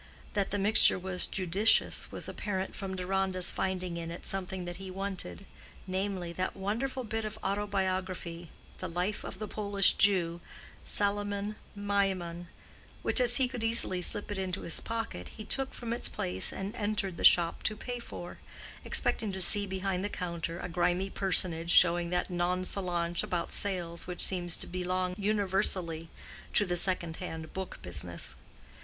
That the mixture was judicious was apparent from Deronda's finding in it something that he wanted—namely, that wonderful bit of autobiography, the life of the Polish Jew, Salomon Maimon; which, as he could easily slip it into his pocket, he took from its place, and entered the shop to pay for, expecting to see behind the counter a grimy personage showing that nonchalance about sales which seems to belong universally to the second hand book business.